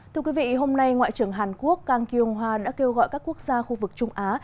thưa quý vị hôm nay ngoại trưởng hàn quốc kang kyung ho đã kêu gọi các quốc gia khu vực trung á